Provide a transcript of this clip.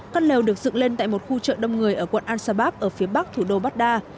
căn lều được dựng lên tại một khu chợ đông người ở quận an sabab ở phía bắc thủ đô baghdad